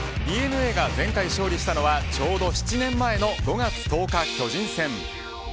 ＤｅＮＡが前回勝利したのはちょうど７年前の５月１０日、巨人戦。